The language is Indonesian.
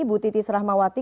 bu titis rahmawati